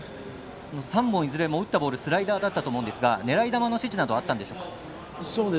３本いずれも打ったボールスライダーだったと思うんですが狙い球の指示などはあったんですか？